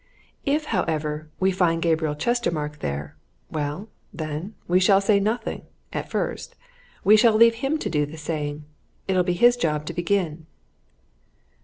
If, however, we find Gabriel Chestermarke there well, then, we shall say nothing at first. We shall leave him to do the saying it'll be his job to begin."